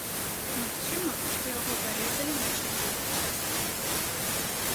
Магчыма, што яго парэзалі на чатыры часткі.